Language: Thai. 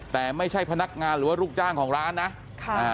แต่ไม่ใช่พนักงานหรือว่าลูกจ้างของร้านนะค่ะอ่า